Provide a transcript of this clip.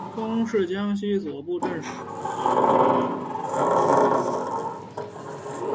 终仕江西左布政使。